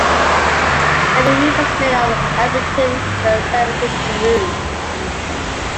A movie was made of Albritton and her celebrity grew.